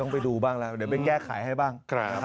ต้องไปดูบ้างแล้วเดี๋ยวเป็นแยกขายให้บ้าง